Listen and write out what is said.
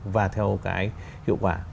và theo cái hiệu quả